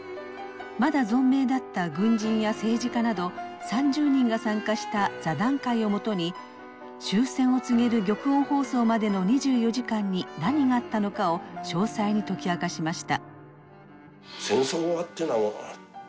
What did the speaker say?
まだ存命だった軍人や政治家など３０人が参加した座談会をもとに終戦を告げる玉音放送までの２４時間に何があったのかを詳細に解き明かしました。